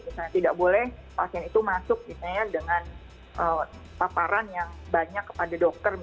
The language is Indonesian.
misalnya tidak boleh pasien itu masuk dengan paparan yang banyak kepada dokter